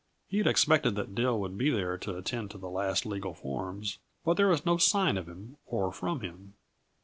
He had expected that Dill would be there to attend to the last legal forms, but there was no sign of him or from him.